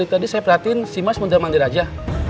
dari tadi saya perhatiin si mas menjelma di raja